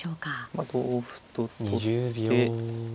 まあ同歩と取って。